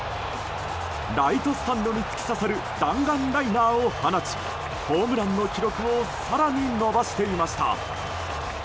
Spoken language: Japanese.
ライトスタンドに突き刺さる弾丸ライナーを放ちホームランの記録を更に伸ばしていました。